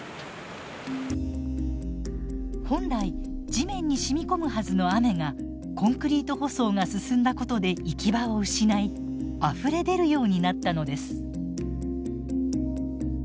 本来地面に染み込むはずの雨がコンクリート舗装が進んだことで行き場を失いあふれ出るようになったのです。